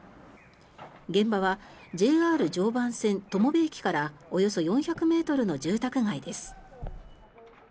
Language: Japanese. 現場はＪＲ常磐線友部駅からおよそ４００ｍの住宅街です。